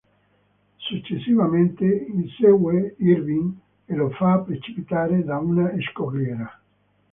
Successivamente insegue Irving e lo fa precipitare da una scogliera.